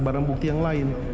barang bukti yang lain